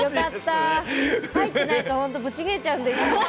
入ってないと本当ブチギレちゃうんで。